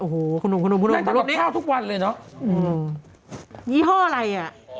โอ้โหคุณหนุ่มคุณหนุ่มคุณหนุ่มรูปนี้อืมยี่ห้ออะไรอ่ะอ๋อ